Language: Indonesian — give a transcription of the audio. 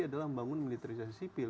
adalah membangun militarisasi sipil